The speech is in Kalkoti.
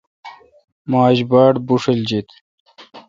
مہ آج باڑ بشیل جیت۔